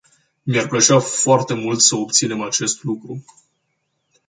Mi-ar plăcea foarte mult să obținem acest lucru.